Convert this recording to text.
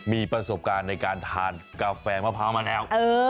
มีประสบการณ์ในการทานกาแฟมะพร้าวมาแล้ว